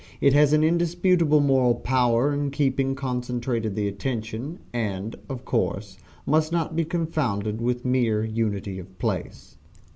It has an indisputable moral power in keeping concentrated the attention, and, of course, must not be confounded with mere unity of place.